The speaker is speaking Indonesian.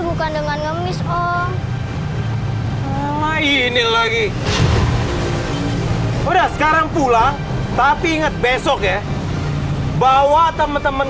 bukan dengan ngemis om ini lagi udah sekarang pulang tapi inget besok ya bawa temen temen